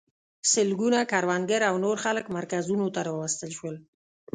سلګونه کروندګر او نور خلک مرکزونو ته راوستل شول.